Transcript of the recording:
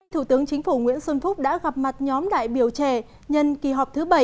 thủ tướng chính phủ nguyễn xuân phúc đã gặp mặt nhóm đại biểu trẻ nhân kỳ họp thứ bảy